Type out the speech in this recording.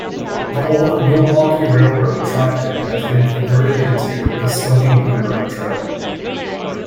The old Milwaukee Railroad track bed has been converted into the "Smoking Boomer" trail.